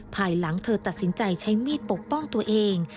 ภายหลังเธอตัดสินใจใช้มีดปกป้องตัวเอง